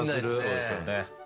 そうですよね。